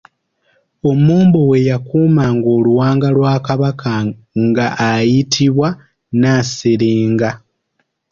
Omumbowa eyakuumanga Oluwanga lwa Kabaka nga ayitibwa Nasserenga.